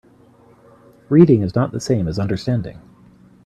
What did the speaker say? Reading is not the same as understanding.